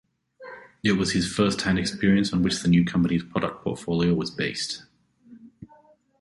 It was his first-hand experience on which the new company's product portfolio was based.